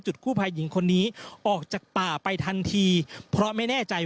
กู้ภัยหญิงคนนี้ออกจากป่าไปทันทีเพราะไม่แน่ใจ